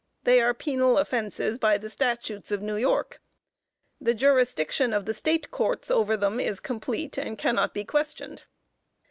They are penal offenses by the Statutes of New York. The jurisdiction of the State Courts over them is complete, and cannot be questioned.